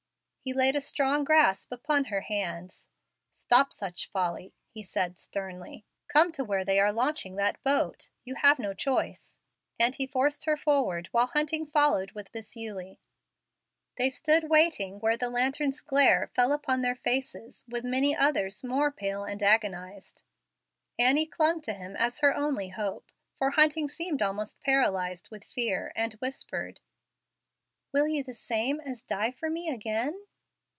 He laid a strong grasp upon her hands. "Stop such folly," he said, sternly. "Come to where they are launching that boat. You have no choice;" and he forced her forward while Hunting followed with Miss Eulie. They stood waiting where the lantern's glare fell upon their faces, with many others more pale and agonized. Annie clung to him as her only hope (for Hunting seemed almost paralyzed with fear), and whispered, "Will you the same as die for me again?"